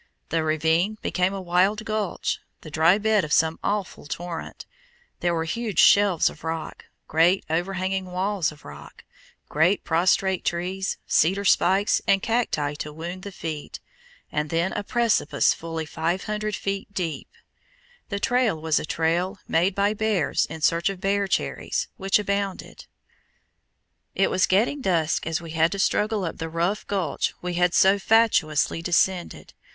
The ravine became a wild gulch, the dry bed of some awful torrent; there were huge shelves of rock, great overhanging walls of rock, great prostrate trees, cedar spikes and cacti to wound the feet, and then a precipice fully 500 feet deep! The trail was a trail made by bears in search of bear cherries, which abounded! It was getting dusk as we had to struggle up the rough gulch we had so fatuously descended.